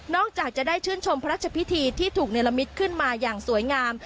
จากจะได้ชื่นชมพระราชพิธีที่ถูกเนรมิตขึ้นมาอย่างสวยงาม